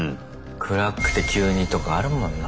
暗くて急にとかあるもんな。